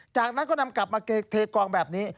จากนั้นก็นำกลับมาเทกองแบบนี้